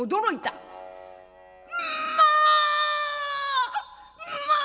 「まあ！まあ！」。